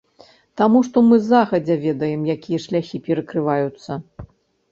Таму што мы загадзя ведаем, якія шляхі перакрываюцца.